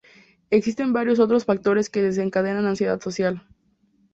Existen varios otros factores que desencadenan ansiedad social.